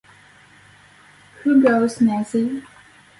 Who Goes Nazi?